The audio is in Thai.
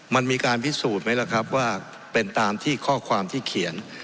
มันมีการพิสูจน์ไหมล่ะครับว่าเป็นตามที่ข้อความที่เขียน